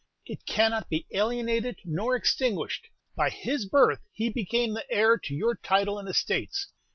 It cannot be alienated nor extinguished; by his birth he became the heir to your title and estates."